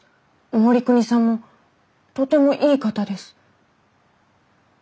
護国さんもとてもいい方です。